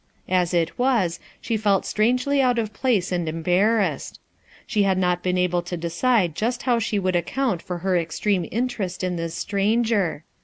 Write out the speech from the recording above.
As it was, she felt strangely out of place and embar rassed. She had not been able to decide just how she would account for her extreme interest in this stranger.